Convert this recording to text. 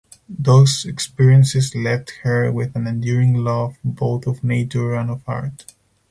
Those experiences left her with an enduring love both of nature and of art.